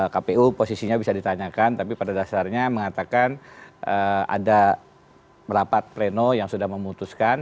kpu posisinya bisa ditanyakan tapi pada dasarnya mengatakan ada merapat pleno yang sudah memutuskan